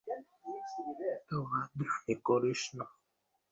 এত বাঁদড়ামি করিস না!